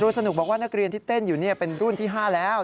สนุกบอกว่านักเรียนที่เต้นอยู่เป็นรุ่นที่๕แล้ว